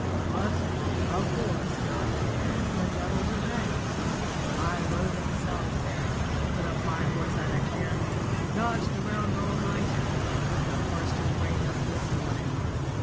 But of course, there's the devil to pay. I rode into Salisbury, put up my horse at an inn, dodged around all night, and took the first train up this morning.